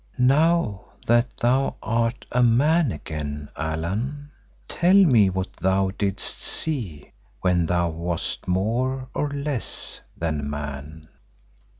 "Now that thou art a man again, Allan, tell me what thou didst see when thou wast more—or less—than man."